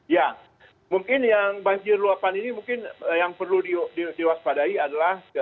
ya mungkin yang banjir luapan ini mungkin yang perlu diwaspadai adalah